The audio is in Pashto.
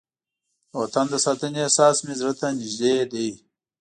د وطن د ساتنې احساس مې زړه ته نږدې دی.